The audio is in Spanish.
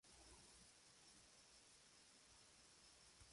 Bolsas de plástico: envase primario.